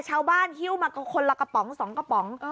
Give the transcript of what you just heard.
ชาวบ้านคิ้วมาคนละกระป๋อง๒กระป๋อง